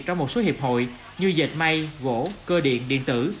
trong một số hiệp hội như dệt may gỗ cơ điện điện tử